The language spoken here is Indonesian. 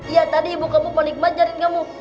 iya tadi ibu kamu menikmat janin kamu